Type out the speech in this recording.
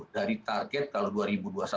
dari target kalau dua ribu dua puluh satu